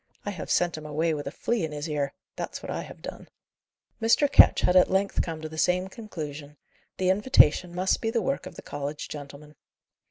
I have sent him away with a flea in his ear; that's what I have done." Mr. Ketch had at length come to the same conclusion: the invitation must be the work of the college gentlemen.